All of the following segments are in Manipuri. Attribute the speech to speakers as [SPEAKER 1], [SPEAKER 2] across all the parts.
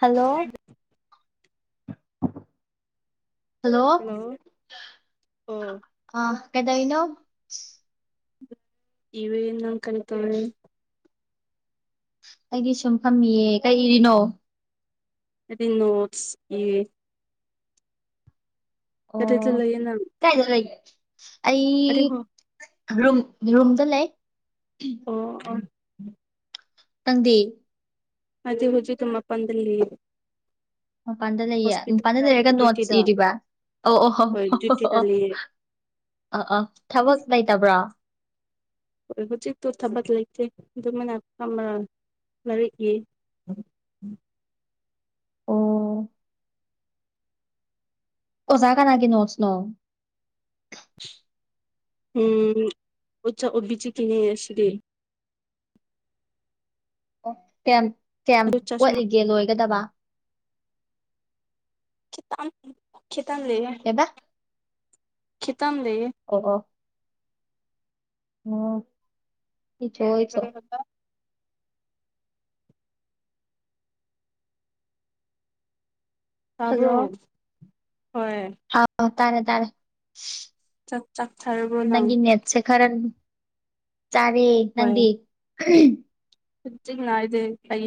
[SPEAKER 1] ꯍꯜꯂꯣ ꯍꯜꯂꯣ
[SPEAKER 2] ꯑꯣ
[SPEAKER 1] ꯑ ꯀꯗꯩꯅꯣ
[SPEAKER 2] ꯏꯕꯩ ꯅꯪ ꯀꯔꯤ ꯇꯧꯋꯦ
[SPEAKER 1] ꯑꯩꯗꯤ ꯁꯨꯝ ꯐꯝꯃꯤꯌꯦ ꯀꯩꯏꯔꯤꯅꯣ
[SPEAKER 2] ꯑꯩꯗꯤ ꯅꯣꯠꯁ ꯏꯔꯦ
[SPEAKER 1] ꯑꯣ
[SPEAKER 2] ꯀꯗꯥꯏꯗ ꯂꯩꯌꯦ ꯅꯪ
[SPEAKER 1] ꯀꯥꯏꯗ ꯂꯩꯒꯦ ꯑꯩ
[SPEAKER 2] ꯑꯔꯦ ꯍꯣ
[SPEAKER 1] ꯔꯨꯝ ꯔꯨꯝꯗ ꯂꯩ
[SPEAKER 2] ꯑꯣ ꯑꯣ
[SPEAKER 1] ꯅꯪꯗꯤ
[SPEAKER 2] ꯑꯩꯗꯤ ꯍꯧꯖꯤꯛ ꯃꯥꯄꯟꯗ ꯂꯩꯌꯦ
[SPEAKER 1] ꯃꯄꯥꯟꯗ ꯂꯩꯌꯦ ꯃꯄꯟꯗ
[SPEAKER 2] ꯍꯣꯁꯄꯤꯇꯥꯜꯗ
[SPEAKER 1] ꯂꯩꯔꯒ ꯅꯣꯠꯁ
[SPEAKER 2] ꯗ꯭ꯌꯨꯇꯤꯗ
[SPEAKER 1] ꯏꯔꯤꯕ ꯑꯣ ꯑꯣ
[SPEAKER 2] ꯍꯣꯏ
[SPEAKER 1] ꯑꯣ
[SPEAKER 2] ꯗ꯭ꯌꯨꯇꯤꯗ
[SPEAKER 1] ꯑꯣ
[SPEAKER 2] ꯂꯩꯌꯦ
[SPEAKER 1] ꯑ ꯑꯥ ꯊꯕꯛ ꯂꯩꯇꯕ꯭ꯔꯥ
[SPEAKER 2] ꯍꯣꯏ ꯍꯧꯖꯤꯛ ꯇ ꯊꯄꯗ ꯂꯩꯇꯦ ꯑꯗꯨ ꯑꯗꯨ ꯃꯅ ꯀ ꯃꯔꯔ
[SPEAKER 1] ꯑꯣ ꯑꯣꯖꯥ ꯀꯥꯅꯥ ꯀ ꯅꯣꯁꯅꯣ
[SPEAKER 2] ꯎꯝ ꯑꯣ ꯆ ꯑꯣꯕꯤ ꯆ ꯀꯅꯤ ꯑꯁꯤꯔꯤꯦ
[SPEAKER 1] ꯑꯣ ꯀꯌꯥꯝ ꯀꯌꯥꯝ
[SPEAKER 2] ꯑꯗꯨ ꯆꯁꯃꯥ
[SPEAKER 1] ꯑꯣꯠꯂꯤꯒꯦ ꯂꯣꯏꯒꯗꯕ
[SPEAKER 2] ꯈꯤꯇꯪ ꯈꯤꯇꯪ ꯂꯩꯌꯦ
[SPEAKER 1] ꯀꯩꯕ
[SPEAKER 2] [unintelligible]
[SPEAKER 1] ꯎꯝ ꯏꯊꯣꯛ ꯏꯊꯣ ꯍꯜꯂꯣ
[SPEAKER 2] ꯇꯕꯔꯣ ꯍꯣꯏ
[SPEAKER 1] ꯍꯥꯎ ꯇꯥꯔꯦ ꯇꯔꯦ
[SPEAKER 2] ꯆꯥꯛ ꯆꯥꯛ ꯆꯥꯔꯕ꯭ꯔꯣ ꯅꯪ
[SPEAKER 1] ꯅꯪꯒꯤ ꯅꯦꯠꯁꯦ ꯈꯔ ꯆꯥꯔꯦ
[SPEAKER 2] ꯍꯣꯏ
[SPEAKER 1] ꯅꯪꯗꯤ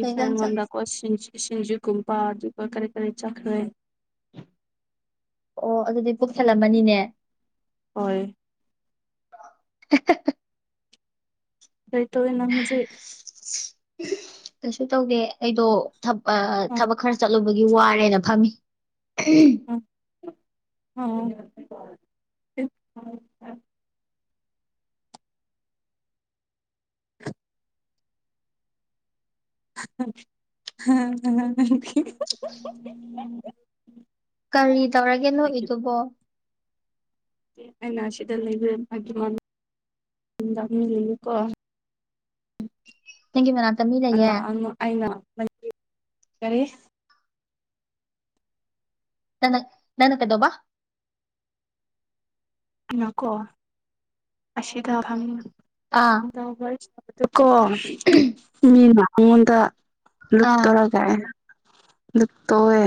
[SPEAKER 1] ꯀꯩ ꯏꯟꯖꯥꯡ ꯆꯥ
[SPEAKER 2] ꯁꯤꯡꯖꯨꯒꯨꯝꯕ ꯑꯗꯨꯒ ꯀꯔꯤ ꯀꯔꯤ ꯆꯥꯈ꯭ꯔꯦ
[SPEAKER 1] ꯑꯣ ꯑꯗꯨꯗꯤ ꯄꯨꯛ ꯊꯜꯂꯝꯃꯅꯤꯅꯦ
[SPEAKER 2] ꯍꯣꯏ
[SPEAKER 1] [inaudible]
[SPEAKER 2] ꯀꯩ ꯇꯧꯋꯦ ꯅꯪ ꯍꯧꯖꯤꯛ
[SPEAKER 1] ꯀꯩꯁꯨ ꯇꯧꯗꯦ ꯑꯩꯗꯣ
[SPEAKER 2] ꯑꯥ
[SPEAKER 1] ꯊꯕꯛ ꯈꯔ ꯆꯠꯂꯨꯕ ꯍꯜꯔꯛꯄꯒꯤ ꯋꯥꯔꯦꯅ ꯐꯝꯃꯤ
[SPEAKER 2] ꯎꯝ [inaudible] [unintelligible]
[SPEAKER 1] ꯀꯔꯤ ꯇꯧꯔꯒꯦ ꯅꯣꯛꯏꯗꯨꯕꯣ
[SPEAKER 2] ꯑꯩꯅ ꯁꯤꯗ ꯂꯩꯕ ꯃꯥꯒꯤ ꯃꯅꯤꯡꯗ ꯃꯤ ꯂꯩꯌꯦꯕꯀꯣ
[SPEAKER 1] ꯑꯩꯗꯤ ꯀꯅꯥꯝ
[SPEAKER 2] [unintelligible]
[SPEAKER 1] ꯅꯪꯅ ꯅꯪꯅ ꯀꯩꯗꯧꯕꯥ
[SPEAKER 2] ꯑꯩꯅꯀꯣ ꯑꯁꯤꯗ
[SPEAKER 1] ꯑꯥ
[SPEAKER 2] [unintelligible] ꯀꯣ ꯃꯤꯅ ꯃꯉꯣꯟꯗ
[SPEAKER 1] ꯑꯥ
[SPEAKER 2] ꯂꯨꯞꯇꯣꯔꯒ ꯅꯨꯛꯇꯧꯋꯦ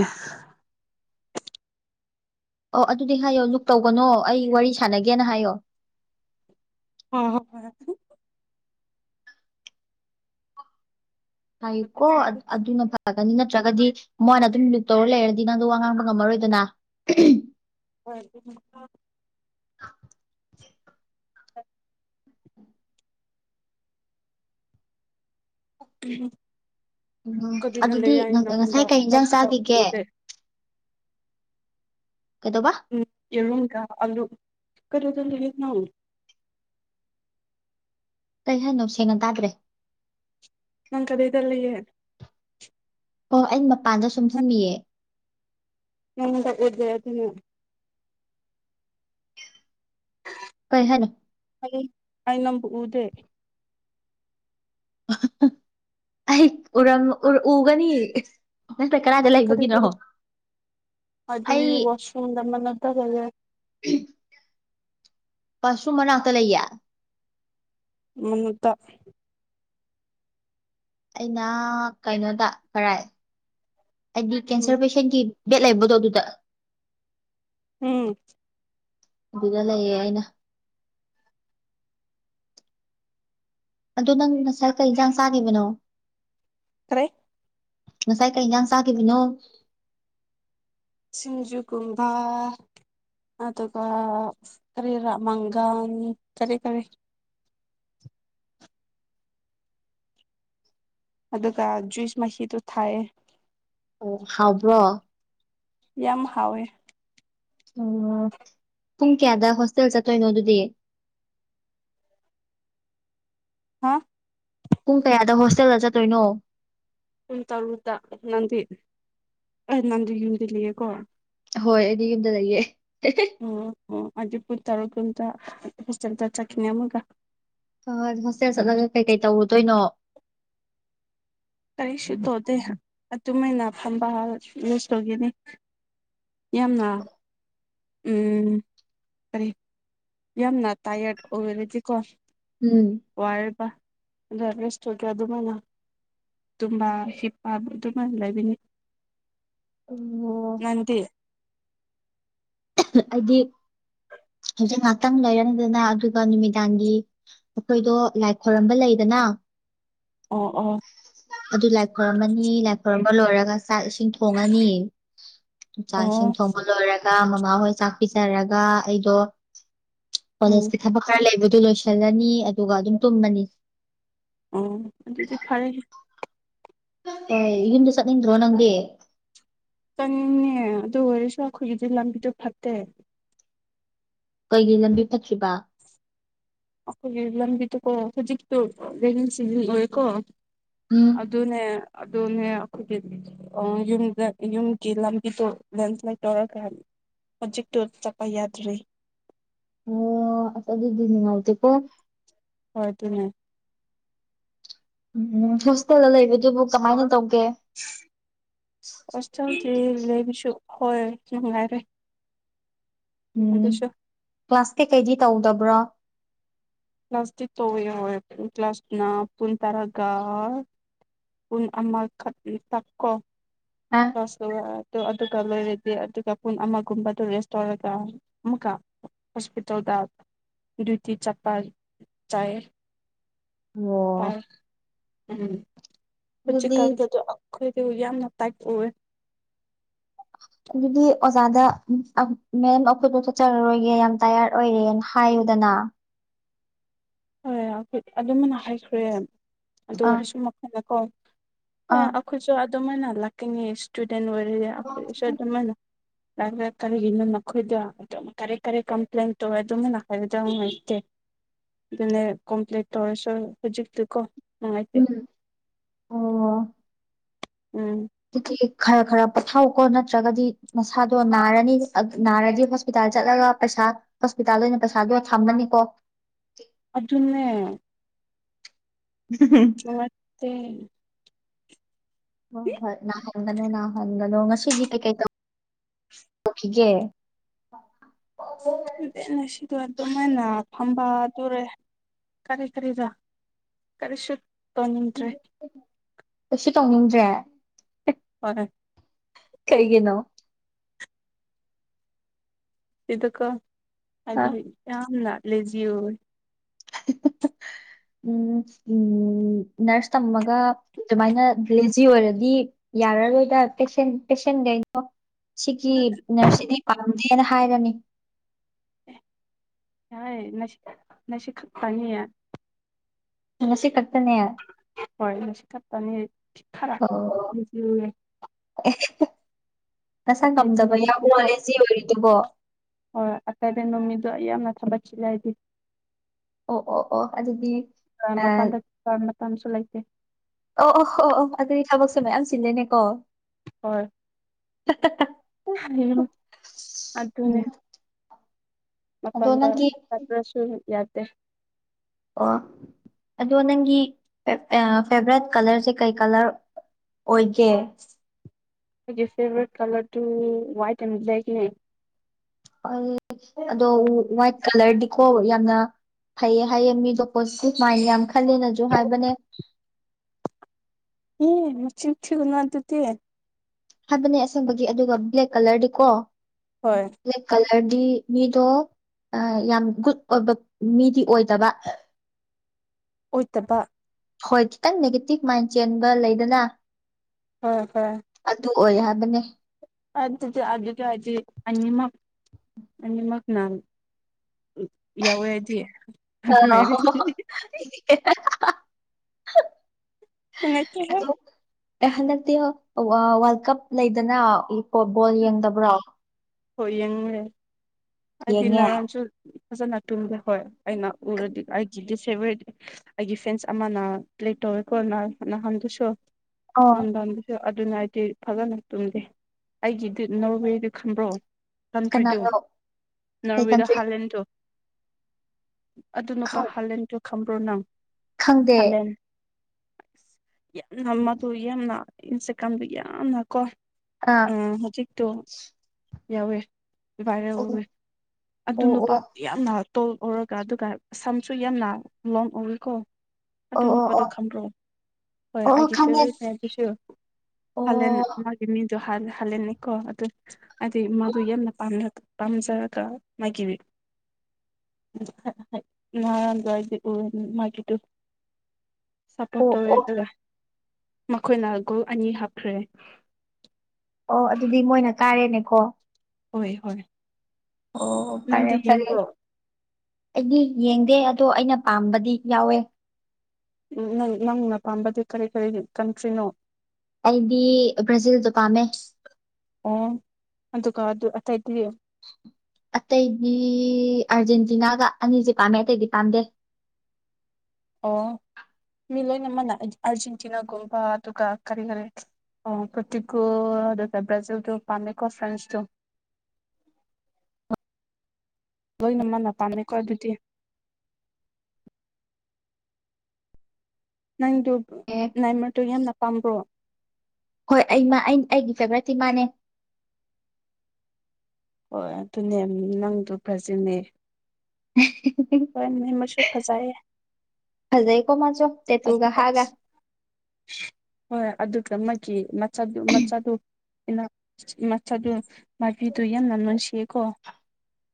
[SPEAKER 1] ꯑꯣ ꯑꯗꯨꯗꯤ ꯍꯥꯏꯌꯣ ꯂꯨꯛ ꯇꯧꯒꯅꯣ ꯑꯩ ꯋꯥꯔꯤ ꯁꯥꯟꯅꯒꯦꯅ ꯍꯥꯏꯌꯣ
[SPEAKER 2] [unintelligible]
[SPEAKER 1] ꯍꯥꯏꯌꯨꯀꯣ ꯑꯗꯨꯅ ꯐꯩꯏ ꯐꯒꯅꯤ ꯅꯠꯇ꯭ꯔꯒꯗꯤ ꯃꯣꯏꯅ ꯑꯗꯨꯝ ꯂꯨꯛ ꯇꯧꯔ ꯂꯩꯔꯗꯤ ꯅꯪꯗꯣ ꯋꯥ ꯉꯥꯡꯕ ꯉꯝꯃꯔꯣꯏꯗꯅ
[SPEAKER 2] ꯍꯣꯏ ꯑꯗꯨ
[SPEAKER 1] ꯑꯟꯑꯣꯗꯤꯕꯜ
[SPEAKER 2] ꯑꯟꯑꯣꯗꯤꯕꯜ
[SPEAKER 1] ꯎꯝ
[SPEAKER 2] ꯀꯕꯤꯅ
[SPEAKER 1] ꯑꯗꯨꯗꯤ
[SPEAKER 2] ꯂꯩ ꯌꯥ ꯏꯅ
[SPEAKER 1] ꯉꯁꯥꯏ
[SPEAKER 2] ꯃꯗ
[SPEAKER 1] ꯀꯩ ꯏꯟꯖꯥꯡ
[SPEAKER 2] ꯇ
[SPEAKER 1] ꯆꯥꯈꯤꯒꯦ
[SPEAKER 2] ꯎꯗꯦ
[SPEAKER 1] ꯀꯩꯗꯧꯕ
[SPEAKER 2] ꯎꯝ ꯌꯦꯔꯨꯨꯝꯒꯥ ꯑꯂꯨ ꯀꯗꯥ ꯆ ꯂꯩꯒ
[SPEAKER 1] ꯀꯩ ꯍꯥꯏꯅꯣ ꯁꯦꯡꯅ ꯇꯥꯗ꯭ꯔꯦ
[SPEAKER 2] ꯅꯪ ꯀꯗꯩꯗ ꯂꯩꯌꯦ
[SPEAKER 1] ꯑꯣ ꯑꯩ ꯃꯄꯥꯟꯗ ꯁꯨꯝ ꯐꯝꯃꯤꯌꯦ
[SPEAKER 2] ꯑꯟꯏꯟꯇꯦꯜꯂꯤꯖꯦꯕꯜ
[SPEAKER 1] ꯀꯩ ꯍꯥꯏꯅꯣ
[SPEAKER 2] ꯑꯩ ꯑꯩ ꯅꯪꯕꯨ ꯎꯗꯦ
[SPEAKER 1] ꯑꯩ ꯎꯔꯝ ꯎ ꯎꯒꯅꯤ ꯅꯪ ꯀꯗꯥꯏꯗ ꯂꯩꯕꯒꯤꯅꯣ
[SPEAKER 2] ꯑꯗꯤ
[SPEAKER 1] ꯑꯩ
[SPEAKER 2] ꯋꯥꯁꯔꯨꯝ ꯗ ꯃꯅꯥꯛꯇ ꯂꯩꯌꯦ
[SPEAKER 1] [unintelligible] ꯋꯥꯁꯔꯨꯝ ꯃꯅꯥꯛꯇ ꯂꯩꯌꯦ
[SPEAKER 2] ꯃꯠꯇ
[SPEAKER 1] ꯑꯩꯅ ꯀꯩꯅꯣꯗ ꯀꯔꯥꯏ ꯑꯩꯗꯤ
[SPEAKER 2] ꯎꯝ
[SPEAKER 1] ꯀꯦꯟꯁꯔ ꯄꯦꯁꯦꯟꯒꯤ ꯕꯦꯠ ꯂꯩꯕꯗꯣ ꯑꯗꯨꯗ
[SPEAKER 2] ꯎꯝ
[SPEAKER 1] ꯑꯗꯨꯗ ꯂꯩꯌꯦ ꯑꯩꯅ ꯑꯗꯨ ꯅꯪ ꯉꯁꯥꯏ ꯀꯩ ꯌꯦꯟꯁꯥꯡ ꯆꯥꯈꯤꯕꯅꯣ
[SPEAKER 2] ꯀꯔꯦ
[SPEAKER 1] ꯉꯁꯥꯏ ꯀꯩ ꯏꯟꯖꯥꯡ ꯆꯥꯈꯤꯕꯅꯣ
[SPEAKER 2] ꯁꯤꯡꯖꯨ ꯀꯨꯝꯕꯥ ꯑꯗꯨꯒ ꯀꯔꯤ ꯔ ꯃꯪꯒꯥꯟ ꯀꯔꯤ ꯀꯔꯤ ꯑꯗꯨꯒ ꯖꯨꯏꯁ ꯃꯤꯗꯨ ꯊꯥꯏꯌꯦ
[SPEAKER 1] ꯑꯣ ꯍꯥꯎꯕ꯭ꯔꯣ
[SPEAKER 2] ꯌꯥꯝ ꯍꯥꯎꯋꯦ
[SPEAKER 1] ꯑꯣ ꯄꯨꯡ ꯀꯌꯥꯗ ꯍꯣꯁꯇꯦꯜ ꯆꯠꯇꯣꯏꯅꯣ ꯑꯗꯨꯗꯤ ꯑꯟꯑꯣꯗꯤꯕꯜ
[SPEAKER 2] ꯍꯥ
[SPEAKER 1] ꯄꯨꯡ ꯀꯌꯥꯗ ꯍꯣꯁꯇꯦꯜꯗ ꯆꯠꯇꯣꯏꯅꯣ
[SPEAKER 2] ꯄꯨꯡ ꯇꯔꯨꯛꯇ ꯅꯪꯗꯤ ꯑꯩ ꯅꯪꯗꯤ ꯌꯨꯝꯗ ꯂꯩꯌꯦꯀꯣ
[SPEAKER 1] ꯍꯣꯏ ꯑꯩꯗꯤ ꯌꯨꯝꯗ ꯂꯩꯌꯦ
[SPEAKER 2] ꯑꯣ ꯑꯣ ꯑꯗꯨ ꯄꯨꯨꯡ ꯇꯔꯨꯛ ꯀꯨꯝꯇ ꯍꯣꯁꯇꯦꯜꯗ ꯆꯠꯈꯤꯅꯦ ꯑꯃꯒ
[SPEAKER 1] ꯍꯣꯍꯣꯏ ꯍꯣꯁꯇꯦꯜ ꯆꯠꯂꯒ ꯀꯩꯀꯩ ꯇꯧꯔꯨꯗꯣꯏꯅꯣ
[SPEAKER 2] ꯀꯩꯁꯨ ꯇꯣꯗꯦ ꯑꯗꯨꯃꯥꯏꯅ ꯐꯝꯕ ꯌꯨꯁꯇꯒꯤꯅꯤ ꯌꯥꯝꯅ ꯎꯝ ꯀꯔꯤ ꯌꯥꯝꯅ ꯇꯥꯏꯌꯔꯠ ꯑꯣꯏꯔꯗꯤꯀꯣ
[SPEAKER 1] ꯎꯝ
[SPEAKER 2] ꯋꯥꯔꯤꯕ ꯒꯦꯁꯣ ꯀꯌꯥ ꯑꯗꯨꯃꯅ ꯇꯨꯝꯕꯥ ꯍꯞꯄ ꯇꯃ ꯏꯂꯕꯤꯅꯤ
[SPEAKER 1] ꯑꯣ
[SPEAKER 2] ꯅꯗꯤ
[SPEAKER 1] ꯍꯥꯏꯗꯤ ꯍꯧꯖꯤꯛ ꯉꯍꯥꯛꯇꯪ ꯂꯩꯔꯅꯤꯗꯅ ꯑꯗꯨꯒ ꯅꯨꯃꯤꯗꯥꯡꯒꯤ ꯑꯩꯈꯣꯏꯗꯣ ꯂꯥꯏ ꯈꯣꯏꯔꯝꯕ ꯂꯩꯗꯅ
[SPEAKER 2] ꯑꯣ ꯑꯣ
[SPEAKER 1] ꯑꯗꯨ ꯂꯥꯏꯥꯛ ꯀꯅꯤ ꯂꯥꯏꯥꯛꯝꯕ ꯂꯔꯒ ꯆꯥꯛ ꯏꯁꯤꯡ ꯊꯣꯡꯉꯅꯤ ꯆꯥꯛ ꯏꯁꯤꯡ
[SPEAKER 2] ꯑꯣ
[SPEAKER 1] ꯊꯣꯡꯕ ꯂꯣꯏꯔꯒ ꯃꯥꯣ
[SPEAKER 2] ꯎꯝ
[SPEAKER 1] ꯑꯗꯨ ꯂꯣꯏꯁꯤꯜꯂꯅꯤ ꯑꯗꯨꯒ ꯑꯗꯨꯝ ꯇꯨꯝꯃꯅꯤ
[SPEAKER 2] ꯑꯣ ꯈꯔ
[SPEAKER 1] ꯑ ꯏꯟꯁ ꯔ꯭ꯔꯣ ꯅꯪꯗꯤ
[SPEAKER 2] ꯆꯪꯅꯤꯡꯉ ꯑꯗꯨ ꯑꯣꯏꯔꯁꯨ ꯑꯩꯈꯣꯏꯒꯤꯗꯤ ꯂꯝꯕꯤꯗꯣ ꯐꯠꯇꯦ
[SPEAKER 1] ꯀꯩꯒꯤ ꯂꯝꯕꯤ ꯊ꯭ꯔꯤꯕ
[SPEAKER 2] ꯑꯩꯈꯒꯤ ꯂꯝꯕꯤ ꯇꯖꯤꯣ ꯑꯗꯨ
[SPEAKER 1] ꯎꯝ
[SPEAKER 2] ꯑꯗꯨꯅꯦ ꯑꯗꯨꯅꯦ ꯑꯩꯈꯣꯏꯒꯤ ꯌꯨꯝꯗ ꯌꯨꯝꯒꯤ ꯂꯝꯕꯤꯗꯣ ꯂꯦꯟꯁ꯭ꯂꯥꯏꯠ ꯇꯧꯔ ꯀ ꯍꯥꯏꯅꯤ ꯍꯧꯖꯤꯛ ꯇꯨꯔ ꯆꯄ ꯌꯥꯗ꯭ꯔꯔꯤ
[SPEAKER 1] ꯑꯣ ꯑ ꯑꯗꯨꯗꯤ ꯅꯤꯡ ꯉꯎꯇ ꯄ
[SPEAKER 2] ꯍ ꯑꯗꯨꯅꯦ
[SPEAKER 1] ꯎꯝ ꯍꯣꯁꯇꯦꯜꯗ ꯂꯩꯕꯗꯨꯕꯨ ꯀꯃꯥꯏꯅ ꯇꯧꯕ
[SPEAKER 2] ꯍꯁꯇꯦꯜꯗꯤ ꯂꯩꯕꯤꯁꯨ ꯍꯣꯏ ꯅꯨꯡꯉꯥꯏꯔꯦ
[SPEAKER 1] ꯎꯝ
[SPEAKER 2] ꯑꯗꯨꯁꯨ
[SPEAKER 1] ꯀ꯭ꯂꯥꯁ ꯀꯩꯀꯩꯗꯤ ꯇꯧꯗꯕ꯭ꯔꯣ
[SPEAKER 2] ꯀ꯭ꯂ꯭ꯂꯥꯁꯇꯤꯛ ꯇꯧꯋꯤ ꯌꯥꯎꯋꯦꯨꯡ ꯀ꯭ꯂ꯭ꯂꯥꯁꯅ ꯄꯨꯟ ꯇꯔꯥꯒ ꯑꯃ ꯇꯛꯣ
[SPEAKER 1] ꯑ
[SPEAKER 2] ꯂꯣꯏꯔꯗꯤ ꯑꯗꯨꯒ ꯄꯨꯡ ꯑꯃꯒꯨꯝꯕꯗ ꯔꯦꯁ ꯇꯧꯔꯒ ꯑꯃꯨꯛꯀ ꯍꯁꯄꯤꯇꯥꯜꯗ ꯏꯇꯤ ꯆꯞꯄꯜ ꯆꯔ
[SPEAKER 1] ꯑꯣ
[SPEAKER 2] ꯎꯝ ꯍꯧꯖꯤ
[SPEAKER 1] ꯑꯗꯨꯗꯤ
[SPEAKER 2] ꯀꯥꯟꯗꯗ ꯑꯈꯣꯏ ꯁꯤ ꯌꯥꯝꯅ ꯇꯥꯏ ꯑꯣꯏꯑꯦ
[SPEAKER 1] [unintelligible] ꯑꯗꯨꯗꯤ ꯑꯣꯖꯥꯗ ꯃꯦꯝ ꯑꯩꯈꯣꯏꯄ ꯆꯠꯆꯔꯔꯣꯏꯒꯦ ꯌꯥꯝ ꯇꯌꯥꯔꯠ ꯑꯣꯏꯔꯦꯅ ꯍꯥꯏꯌꯨꯗꯅ ꯑ
[SPEAKER 2] ꯍꯣꯏꯣꯏ ꯑꯗꯨꯃꯅ ꯍꯥꯏꯈ꯭ꯔꯦ ꯑꯗꯨ
[SPEAKER 1] ꯑꯥ
[SPEAKER 2] ꯑꯣꯏꯔꯁꯨ ꯃꯈꯜ ꯀꯣ ꯑꯦ
[SPEAKER 1] ꯑꯥ
[SPEAKER 2] ꯑꯩꯈꯣꯏꯁꯨ ꯑꯗꯨꯃꯥꯏꯅ ꯂꯥꯛꯀꯅꯤ ꯏꯁꯇꯨꯗꯦꯟ ꯑꯣꯏꯔꯗꯤ ꯑꯩꯈꯣꯏꯁꯨ ꯑꯗꯨꯃꯥꯏꯅ ꯀꯔꯤꯒꯤꯅꯣ ꯃꯈꯣꯏꯗꯣ ꯀꯔꯤ ꯀꯔꯤ ꯀꯝꯄ꯭ꯂꯦꯟ ꯇꯧꯋꯦ ꯑꯗꯨꯝꯅ ꯍꯥꯏꯕꯗ ꯂꯩꯇꯦ
[SPEAKER 1] [inaudible]
[SPEAKER 2] ꯑꯗꯨꯅꯦ ꯀꯝꯄ꯭ꯂꯤꯠ ꯇꯧꯔꯁꯨ ꯍꯧꯖꯤꯛꯇꯤꯀꯣ ꯅꯨꯡꯉꯥꯏꯇꯦ
[SPEAKER 1] ꯎꯝ ꯑꯣ
[SPEAKER 2] ꯎꯝ
[SPEAKER 1] [inaudible] ꯈꯔ ꯈꯔ ꯄꯣꯊꯥꯎꯀꯣ ꯅꯠꯇ꯭ꯔꯒꯗꯤ ꯅꯁꯥꯗꯣ ꯅꯥꯔꯅꯤ ꯅꯥꯔꯗꯤ ꯍꯣꯁꯄꯤꯇꯥꯜ ꯆꯠꯂꯒ ꯄꯩꯥ ꯄꯩꯁ ꯍꯣꯁꯄꯤꯇꯥꯜꯗ ꯑꯣꯏꯅ ꯄꯩꯁꯥꯗ ꯊꯝꯃꯅꯤꯀꯣ
[SPEAKER 2] ꯑꯔꯖꯨ ꯃꯦ
[SPEAKER 1] ꯍꯣꯏ ꯍꯣꯏ ꯅꯥꯍꯟꯒꯅꯣ ꯅꯥꯍꯟꯒꯅꯣ ꯉꯁꯤꯗꯤ ꯀꯩꯀꯩ ꯇꯧ ꯒꯦ
[SPEAKER 2] ꯑꯗꯨꯩꯅ ꯁꯤꯗꯣ ꯑꯗꯨꯃꯥꯏꯅ ꯐꯝꯕ ꯑꯗꯨꯣꯔꯦ ꯀꯔꯤ ꯀꯔꯤꯗ ꯀꯔꯤꯁꯨ ꯇ ꯅꯗ꯭ꯔꯦ
[SPEAKER 1] ꯀꯩꯁꯨ ꯇꯧꯅꯤꯡꯗ꯭ꯔꯦ
[SPEAKER 2] ꯍꯣꯏ
[SPEAKER 1] ꯀꯩꯒꯤꯅꯣ
[SPEAKER 2] ꯏꯗꯀꯣ ꯑ ꯌꯥꯝ ꯂ ꯂꯦꯖꯣ
[SPEAKER 1] [unintelligible] ꯎꯝ ꯎ ꯅꯔꯁ ꯇꯝꯃꯒ ꯑꯗꯨꯃꯥꯏꯅ ꯂꯤꯖꯤ ꯑꯣꯏꯔꯗꯤ ꯌꯥꯔꯔꯣꯏꯗ ꯄꯦꯁꯦꯟ ꯄꯦꯁꯦꯟ ꯀꯩꯅꯣ ꯁꯤꯒꯤ ꯅꯔꯁꯗꯤ ꯄꯥꯝꯗꯦꯅ ꯍꯥꯏꯔꯝꯃꯤ
[SPEAKER 2] ꯍꯁꯤ ꯅꯁꯤ ꯐꯅꯤ
[SPEAKER 1] ꯍ ꯁꯤ ꯀ
[SPEAKER 2] ꯍꯣꯏꯁꯤꯀꯞꯇꯅꯤ ꯈꯔ
[SPEAKER 1] ꯑꯣ ꯅꯁꯥ
[SPEAKER 2] ꯑꯇꯩꯕ
[SPEAKER 1] ꯉꯝꯗꯕ ꯌꯥꯂꯦ ꯑꯣꯏꯔꯤꯗꯨꯕꯣ
[SPEAKER 2] ꯍꯣꯏꯣꯏ ꯑꯀꯥꯏꯗ ꯅꯨꯃꯤꯗꯣ ꯌꯥꯝꯅ ꯊꯥꯕꯠꯁꯤꯂ ꯍꯥꯏꯗꯤ
[SPEAKER 1] ꯑꯣ ꯑꯣ ꯑꯣ ꯑꯗꯨꯗꯤ ꯑ
[SPEAKER 2] ꯃꯄꯥꯟꯗ ꯃꯇꯝꯁꯨ ꯂꯩꯇꯦ
[SPEAKER 1] ꯑꯣ ꯑꯣ ꯑꯣ ꯑꯣ ꯑꯗꯨꯗꯤ ꯊꯕꯛꯁꯦ ꯃꯌꯥꯝ ꯆꯤꯜꯂꯦꯅꯦꯀꯣ
[SPEAKER 2] ꯍꯣꯏ ꯑꯗꯨꯅꯦ
[SPEAKER 1] ꯎꯝ ꯑꯗꯣ
[SPEAKER 2] ꯃꯄꯥꯟꯗ
[SPEAKER 1] ꯅꯪꯒꯤ
[SPEAKER 2] ꯆꯠꯇ꯭ꯔꯁꯨ ꯌꯥꯗꯦ
[SPEAKER 1] ꯑꯣ ꯑꯗꯣ ꯅꯪꯒꯤ ꯐꯦꯚꯔꯥꯏꯠ ꯀꯂꯔꯁꯦ ꯀꯩ ꯀꯂꯔ ꯑꯣꯏꯒꯦ
[SPEAKER 2] ꯐꯦꯚꯔꯦꯠ ꯀꯂꯔ ꯇ ꯍꯋꯥꯏꯠ ꯑꯦꯟ ꯕ꯭ꯂꯦꯛꯅꯦ
[SPEAKER 1] ꯑꯣ ꯑꯗꯣ ꯋꯥꯏꯠ ꯀꯂꯔꯗꯤꯀꯣ ꯌꯥꯝꯅ ꯐꯩꯌꯦ ꯍꯥꯏꯌꯦ ꯃꯤꯗꯣ ꯄꯣꯖꯤꯇꯤꯚ ꯃꯥꯏꯟ ꯌꯥꯝ ꯈꯂꯦꯅꯁꯨ ꯍꯥꯏꯕꯅꯦ
[SPEAKER 2] ꯍ ꯃ ꯆ ꯆꯅ ꯉꯇꯇ
[SPEAKER 1] ꯍꯥꯏꯕꯅꯦ ꯑꯁꯪꯕꯒꯤ ꯑꯗꯨꯒ ꯕ꯭ꯂꯦꯛ ꯀꯂꯔꯗꯤꯀꯣ
[SPEAKER 2] ꯍꯣꯏ
[SPEAKER 1] ꯭ꯂꯦꯛ ꯀꯂ ꯍꯥꯏꯔꯗꯤ ꯃꯤꯗꯣ ꯌꯥꯝ ꯒꯨꯗ ꯑꯣꯏꯕ ꯃꯤꯗꯤ ꯑꯣꯏꯗꯕ [unintelligible] [inaudible]
[SPEAKER 2] ꯑꯣꯏꯇꯕ
[SPEAKER 1] ꯍꯣꯏ ꯈꯤꯇꯪ ꯅꯦꯒꯦꯇꯤꯚ ꯃꯥꯏꯟ ꯆꯦꯟꯕ ꯂꯩꯗꯅ
[SPEAKER 2] ꯍ ꯍꯝ
[SPEAKER 1] ꯑꯗꯨ ꯑꯣꯏ ꯍꯥꯏꯕꯅꯦ
[SPEAKER 2] ꯑ ꯃꯒ ꯅ ꯌꯥ ꯋꯥ ꯌꯥꯗꯤ
[SPEAKER 1] ꯑ
[SPEAKER 2] ꯃꯠꯇꯍꯣ
[SPEAKER 1] ꯑꯦ ꯍꯟꯗꯛꯇꯤ ꯋꯥꯔꯜ ꯀꯞ ꯂꯩꯗꯅ ꯕꯣꯜ ꯌꯦꯡꯗꯕ꯭ꯔꯣ
[SPEAKER 2] ꯍꯣꯏ ꯌꯦꯡꯨꯔꯦ ꯍꯥꯏꯗꯤ
[SPEAKER 1] ꯌꯦꯡꯉꯦ
[SPEAKER 2] ꯅꯔꯣꯟꯁꯨ ꯐꯖꯅ ꯇꯨꯝꯗꯦ ꯍꯣꯏ ꯑꯩꯅ ꯎꯔꯗꯤ ꯑꯩꯒꯤ ꯗꯤꯁ ꯐꯦꯚꯠ ꯗ ꯑꯩꯒꯤ ꯐ꯭ꯔꯦꯟꯁ ꯑꯃꯅ ꯦ ꯀꯣꯅ
[SPEAKER 1] ꯑꯣ
[SPEAKER 2] ꯅꯍꯥꯟꯗꯨꯁꯨꯣꯅꯨꯡꯝꯁꯨ ꯑꯗꯨꯅ ꯍꯥꯏꯗꯤ ꯐꯖꯅ ꯇꯨꯝꯗꯦ ꯑꯩꯒꯤꯗꯤ ꯅꯣꯔꯕꯦꯗꯨ ꯈꯟꯕ꯭ꯔꯣ ꯀꯟꯇ꯭ꯔꯤꯗꯨꯣ
[SPEAKER 1] ꯀꯅꯥꯅꯣ ꯀꯩ
[SPEAKER 2] ꯅꯣꯔꯋꯦꯗ
[SPEAKER 1] ꯀꯟꯇ꯭ꯔꯤ
[SPEAKER 2] ꯍꯂꯦꯟꯗꯣ ꯑꯗꯨ ꯅꯨꯄꯥ ꯍꯥꯂꯦꯟꯗꯨꯣ ꯈꯕ꯭ꯔꯣ ꯅꯪ
[SPEAKER 1] ꯈꯪꯗꯦ
[SPEAKER 2] ꯑꯁ ꯌꯥꯝꯅ ꯃꯗꯨ ꯌꯥꯝꯅ ꯏꯟꯁꯀꯝꯗꯨ ꯌꯥꯝꯅ ꯀꯣ
[SPEAKER 1] ꯑꯥ
[SPEAKER 2] ꯑ ꯍꯧꯖꯤꯛꯇꯣ ꯌꯥꯎꯋꯦ
[SPEAKER 1] ꯑꯣ
[SPEAKER 2] ꯚꯏꯔꯧꯋꯦ ꯑꯗꯨ
[SPEAKER 1] ꯑꯣ
[SPEAKER 2] ꯅꯨꯄꯥ
[SPEAKER 1] ꯑꯣ
[SPEAKER 2] ꯌꯥꯝ ꯇꯣꯜ ꯂꯧꯔꯒ ꯑꯗꯨꯒ ꯁꯝꯁꯨ ꯌꯥꯝꯅ ꯂꯣꯡ ꯎꯏꯀꯣ ꯑꯗꯨ
[SPEAKER 1] ꯑꯣ
[SPEAKER 2] ꯅꯨꯄꯥꯗꯣ
[SPEAKER 1] ꯑꯣ
[SPEAKER 2] ꯈꯪ꯭ꯔꯣ ꯍꯣꯏ
[SPEAKER 1] ꯑꯣ ꯑꯣ
[SPEAKER 2] ꯑꯩꯒꯤ
[SPEAKER 1] ꯈꯪꯉꯦ
[SPEAKER 2] ꯐꯦꯚꯣꯔꯦꯠ ꯍꯥꯏꯕꯁꯨ
[SPEAKER 1] ꯑꯣ
[SPEAKER 2] ꯍꯜꯂꯦꯅ ꯃꯥꯒꯤ ꯃꯤꯗꯨ ꯍꯥ ꯍꯂꯦꯅꯦ ꯀꯣ ꯑꯗꯨ ꯃꯥꯗꯨ ꯌꯥꯝꯅꯝ ꯄꯥꯝꯖꯔꯒ ꯃꯒꯤꯕꯤꯌꯨ ꯅꯔ ꯏ ꯃꯥꯒꯤꯗꯨꯨ ꯁꯞꯄꯣꯔꯠ
[SPEAKER 1] ꯑꯣ
[SPEAKER 2] ꯇꯧꯋꯦ
[SPEAKER 1] ꯑꯣ
[SPEAKER 2] ꯑꯗꯨꯒ ꯃꯈꯣꯏꯅ ꯒꯨꯜ ꯑꯅꯤ ꯍꯥꯞꯈ꯭ꯔꯦ
[SPEAKER 1] ꯍꯣ
[SPEAKER 2] ꯍꯣꯏ ꯍꯣꯏ
[SPEAKER 1] ꯑꯣ ꯐꯔꯦ
[SPEAKER 2] ꯅꯪꯗꯤ
[SPEAKER 1] ꯐꯔꯦ
[SPEAKER 2] ꯌꯦꯡꯕ꯭ꯔꯣ
[SPEAKER 1] ꯑꯩꯗꯤ ꯌꯦꯡꯗꯦ ꯑꯗꯣ ꯑꯩꯅ ꯄꯥꯝꯕꯗꯤ ꯌꯥꯎꯋꯦ
[SPEAKER 2] ꯎ ꯅꯪ ꯅꯪꯅ ꯄꯥꯝꯕꯗꯤ ꯀꯔꯤ ꯀꯔꯤ ꯀꯟꯇ꯭ꯔꯤꯅꯣ
[SPEAKER 1] ꯑꯩꯗꯤ ꯭ꯔꯖꯤꯜ ꯇ ꯄꯥꯝꯃꯦ
[SPEAKER 2] ꯑꯣ ꯑꯗꯨꯒ ꯑꯗꯨ ꯑꯇꯩꯗꯤ
[SPEAKER 1] ꯑꯇꯩꯗꯤ ꯑꯥꯔꯖꯦꯟꯇꯤꯅꯥꯒ ꯑꯅꯤꯁꯤ ꯄꯥꯝꯃꯦ ꯑꯇꯩꯗꯤ ꯄꯥꯝꯗꯦ [unintelligible]
[SPEAKER 2] ꯑꯣ ꯃꯤ ꯂꯣꯏꯅꯃꯛꯅ ꯑꯔꯖꯦꯟꯇꯤꯅꯥꯒꯨꯝꯕ ꯑꯗꯨꯒ ꯀꯔꯤ ꯀꯔꯤ ꯑꯣ ꯄꯇꯀꯣ ꯑꯗꯨ ꯭ꯔꯥꯖꯤꯜ ꯇꯣ ꯄꯥꯝꯃꯦꯀꯣ ꯐ꯭ꯔꯦꯟꯁ ꯇꯣ
[SPEAKER 1] [unintelligible]
[SPEAKER 2] ꯂꯣꯏꯅ ꯃꯥꯅ ꯄꯥꯝꯃꯦꯀꯣ ꯑꯗꯨꯗꯤ ꯅꯪꯗꯨ
[SPEAKER 1] ꯑꯦ
[SPEAKER 2] ꯅꯥꯏꯃꯔꯗꯨꯣ ꯌꯥꯝꯅ ꯄꯥꯝꯕ꯭ꯔꯣ
[SPEAKER 1] ꯍꯣꯏ ꯑꯩꯃ ꯑꯩ ꯑꯩꯒꯤ ꯐꯦꯚꯔꯦꯠꯤ ꯏꯃꯥꯅꯦ
[SPEAKER 2] ꯍꯣꯏ ꯑꯗꯨꯅꯦ ꯅꯪꯗ ꯐꯖꯅꯦ
[SPEAKER 1] [unintelligible]
[SPEAKER 2] ꯐꯖꯩꯌꯦ
[SPEAKER 1] ꯐꯖ ꯀꯣꯃꯆꯣ ꯇ ꯇꯨꯒ
[SPEAKER 2] ꯑꯗꯨꯒ
[SPEAKER 1] ꯍꯥꯒ [unintelligible]
[SPEAKER 2] ꯍꯣꯏ ꯍꯣꯏ ꯑꯗꯨꯒ ꯃꯥꯒꯤ ꯃꯆꯥ ꯃꯆꯥꯗꯨ ꯃꯆꯥꯗꯨ ꯃꯕꯤꯗꯨ ꯌꯥꯝꯅ ꯂꯟꯁꯤꯌꯦꯀꯣ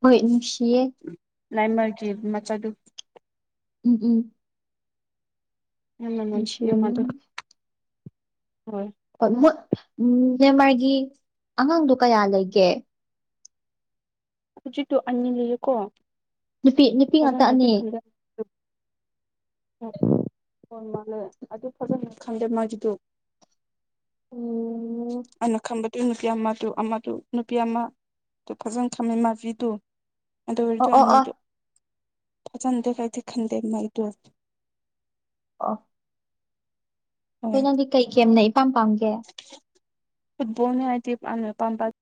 [SPEAKER 1] ꯍꯣꯏ ꯅꯨꯡꯁꯤꯌꯦ
[SPEAKER 2] ꯂꯥꯏꯃ ꯃꯆꯥꯗꯨ
[SPEAKER 1] ꯎꯝ ꯎꯝ
[SPEAKER 2] ꯑꯃ ꯃꯁꯤꯃꯗ
[SPEAKER 1] ꯅꯨꯡꯁꯤꯔꯝꯅꯤ
[SPEAKER 2] ꯍꯣꯏ
[SPEAKER 1] ꯍꯣꯏ ꯃꯦꯟꯃꯥꯔꯒꯤ ꯑꯉꯥꯡꯗꯣ ꯀꯌꯥ ꯂꯩꯒꯦ
[SPEAKER 2] ꯍꯧꯖꯤ ꯇꯨ ꯑꯅꯤ ꯂꯩꯌꯦꯀꯣ
[SPEAKER 1] ꯅꯨꯄꯤ ꯅꯨꯄꯤ ꯉꯥꯛꯇ
[SPEAKER 2] ꯐꯖꯅꯗꯤ
[SPEAKER 1] ꯑꯅꯤ
[SPEAKER 2] ꯍ ꯃꯥꯅꯦꯦ ꯑꯗꯨ ꯐꯖꯅ ꯈꯟꯗꯦ ꯃꯥꯒꯤꯗꯨ
[SPEAKER 1] ꯑꯣ
[SPEAKER 2] ꯑꯅ ꯈꯝꯕ ꯑ ꯅꯨꯄꯤ ꯑꯃꯗꯣ ꯑꯃꯗꯨ ꯅꯨꯄꯤ ꯑꯃꯗꯣ ꯐꯖꯅ ꯊꯝꯃꯦ ꯃꯥꯕꯤꯗꯨꯣ ꯑꯗ ꯑꯣꯏ ꯑꯗꯨ
[SPEAKER 1] ꯑꯣ ꯑꯣ
[SPEAKER 2] ꯑꯅꯨꯔꯨ ꯐ ꯆꯗ ꯀꯗꯤ ꯈꯟꯗꯦ ꯃꯜꯗꯁ
[SPEAKER 1] ꯑ ꯅꯣꯏ
[SPEAKER 2] ꯍꯣꯏ
[SPEAKER 1] ꯅꯪꯗꯤ ꯀꯩ ꯀꯦꯝꯅ ꯏꯄꯥꯝ ꯄꯥꯝꯒꯦ
[SPEAKER 2] ꯐꯨꯕꯣꯅ ꯑꯗꯤ ꯄ